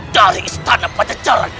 dari istana pancacaran